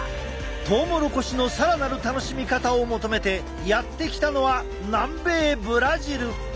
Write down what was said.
トウモロコシの更なる楽しみ方を求めてやって来たのは南米ブラジル。